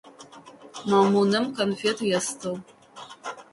Мамунэм конфет естыгъ.